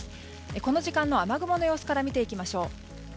この時間の雨雲の様子から見ていきましょう。